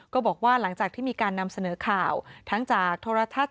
ก็บอกว่าหลังจากที่มีการนำเสนอข่าวทั้งจากโทรทัศน